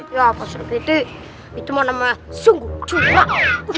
ya pak sri kiti itu mau nama sungguh curang